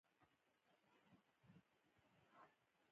ترکستان ته رسېږي